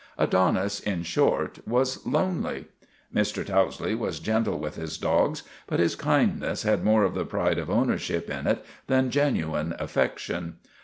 Adonis, in short, was lonely. Mr. Towsley was gentle with his dogs, but his kindness had more of the pride of ownership in it than genuine affection.